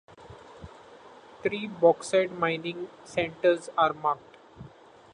Three Bauxite mining centres are marked.